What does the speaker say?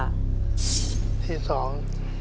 ขอที่สอง